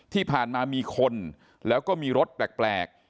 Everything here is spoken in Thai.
ที่ผ่านมามีคนแล้วก็มีรถแปลก